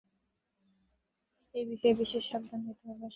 এই বিষয়ে বিশেষ সাবধান হইতে হইবে।